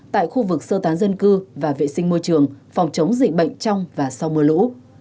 tại khu vực sơ tán dân cư và vệ sinh môi trường phòng chống dịch bệnh trong và sau mưa lũ